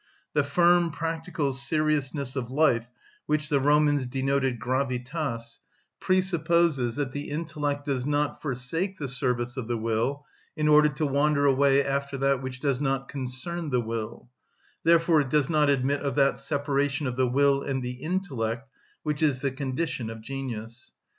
The firm, practical seriousness of life which the Romans denoted gravitas presupposes that the intellect does not forsake the service of the will in order to wander away after that which does not concern the will; therefore it does not admit of that separation of the will and the intellect which is the condition of genius.